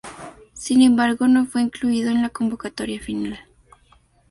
Sin, embargo, no fue incluido en la convocatoria final.